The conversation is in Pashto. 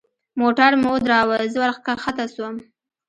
موټر مو ودراوه زه ورکښته سوم.